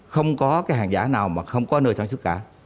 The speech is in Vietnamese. không có cái hàng giả nào mà không có nơi sản xuất cả